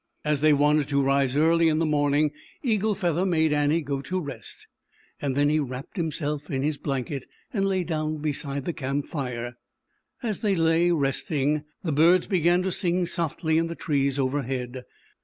As they wanted to rise early in the morning, Eagle Feather made Annie go to rest. Then he wrapped himself in his blanket and lay down beside the camp fire. As they lay resting the birds began to sing softly in the trees overhead.